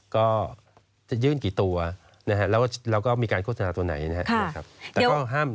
ก็จะยื่นกี่ตัวนะฮะแล้วก็มีการโฆษณาตัวไหนนะครับ